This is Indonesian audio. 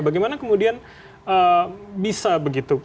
bagaimana kemudian bisa begitu